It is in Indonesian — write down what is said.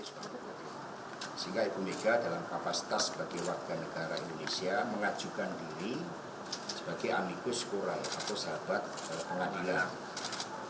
sehingga ibu mega dalam kapasitas sebagai warga negara indonesia mengajukan diri sebagai amikus kurang atau sahabat pengadilan